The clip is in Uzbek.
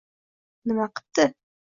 Nima qipti